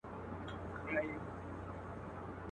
ورځ په برخه د سېلۍ وي یو پر بل یې خزانونه.